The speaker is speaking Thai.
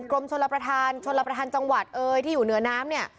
กรมชลประธานชนรับประทานจังหวัดเอยที่อยู่เหนือน้ำเนี่ย